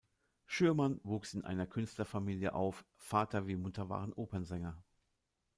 Schürmann wuchs in einer Künstlerfamilie auf, Vater wie Mutter waren Opernsänger.